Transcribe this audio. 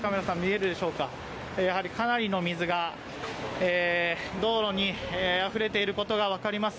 かなりの水が道路にあふれていることが分かります。